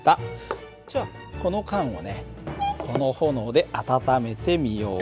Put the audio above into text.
じゃあこの缶をねこの炎で温めてみよう。